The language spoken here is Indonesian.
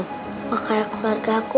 tapi buah hati tuh baik banget sama aku